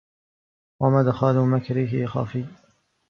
وَمَدْخَلٌ مَكْرِهِ خَفِيٌّ